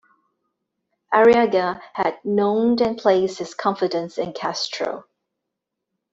Arriaga had known and placed his confidence in Castro.